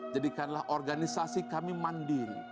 jadikanlah organisasi kami mandiri